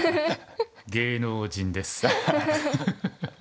芸能人です。